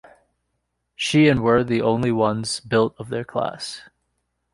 She and were the only ones built of their class.